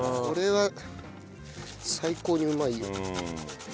これは最高にうまいよ。